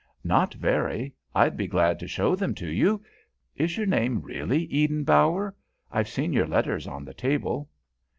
"Not very. I'd be glad to show them to you. Is your name really Eden Bower? I've seen your letters on the table."